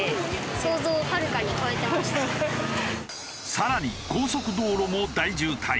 さらに高速道路も大渋滞。